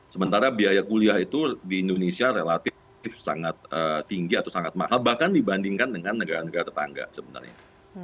sementara biaya kuliah itu di indonesia relatif sangat tinggi atau sangat mahal bahkan dibandingkan dengan negara negara tetangga sebenarnya